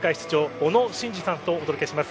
小野伸二さんとお届けします。